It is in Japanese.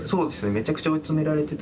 めちゃくちゃ追い詰められてた。